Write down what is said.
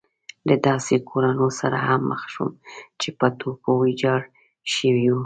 له داسې کورونو سره هم مخ شوم چې په توپو ويجاړ شوي وو.